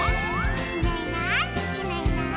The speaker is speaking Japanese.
「いないいないいないいない」